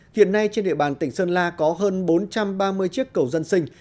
hiện nay trên địa bàn tỉnh sơn la có hơn bốn trăm ba mươi chiếc cầu dân sinh